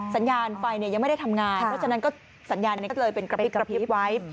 สัญญาณไฟยังไม่ได้ทำงานเพราะฉะนั้นก็สัญญาณนี้ก็เลยเป็นกระพริบกระพริบไว้